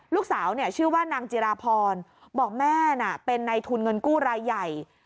ลูกสาวชื่อว่านางจิราพรบอกแม่น่ะเป็นในทุนเงินกู้รายใหญ่